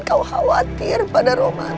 kau khawatir pada romain